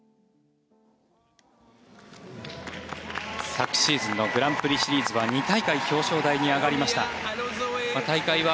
昨シーズンのグランプリシリーズは２大会表彰台に上がりました。